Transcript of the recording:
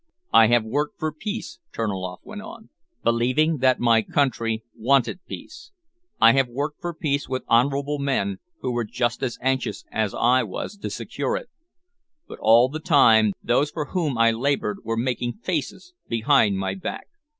"I have worked for peace," Terniloff went on, "believing that my country wanted peace. I have worked for peace with honourable men who were just as anxious as I was to secure it. But all the time those for whom I laboured were making faces behind my back.